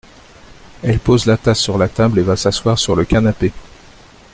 Elle pose la tasse sur la table et va s’asseoir sur le canapé.